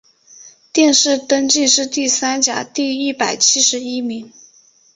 殿试登进士第三甲第一百七十一名。